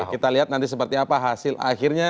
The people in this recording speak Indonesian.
kita lihat nanti seperti apa hasil akhirnya